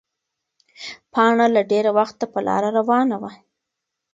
پاڼه له ډېره وخته په لاره روانه وه.